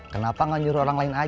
kenapa gak nyuruh orang lain ngehang